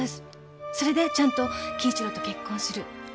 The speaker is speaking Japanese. それでちゃんと輝一郎と結婚する。